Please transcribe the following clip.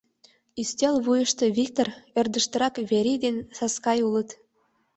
Ӱстел вуйышто Виктор, ӧрдыжтырак Верий ден Саскай улыт.